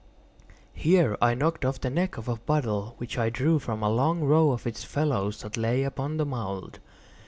Here I knocked off the neck of a bottle which I drew from a long row of its fellows that lay upon the mould.